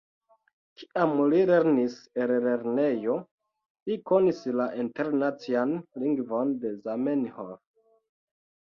Kiam li lernis en lernejo, li konis la internacian lingvon de Zamenhof.